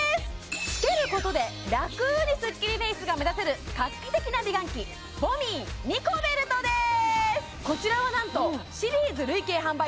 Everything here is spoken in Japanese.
つけることでラクにスッキリフェイスが目指せる画期的な美顔器ＶＯＮＭＩＥニコベルトです